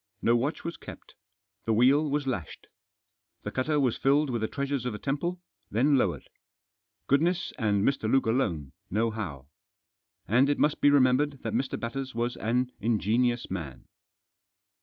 No watch was kept. The wheel was lashed. The cutter was filled with the treasures of the temple, then lowered. Goodness and Mr. Luke alone know how. And it must be remembered that Mr. Batters was an ingenious man.